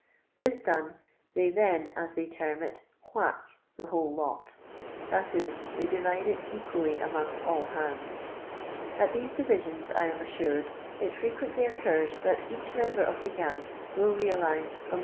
this done, tiiey then, as they term it, "whack" the whole lot; that is, they divide it equally among all hands. At these divisions, I am assured, it Creqm^tly occurs that etich member of the gang will realise from 30^.